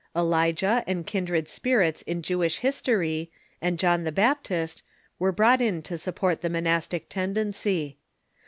Elijah and kindred spirits in Jewish history, and John the Baptist, were brought in to support the monastic tendency.